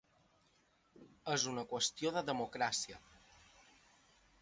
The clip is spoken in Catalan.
És una qüestió de democràcia.